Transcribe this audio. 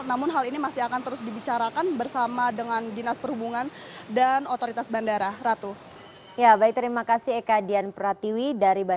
namun hal ini masih akan terus dibicarakan bersama dengan bandara